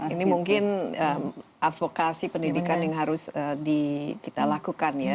ini mungkin advokasi pendidikan yang harus kita lakukan ya